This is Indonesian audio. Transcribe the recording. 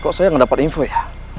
kok saya gak dapet info ya